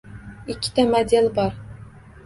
Ikkita model bor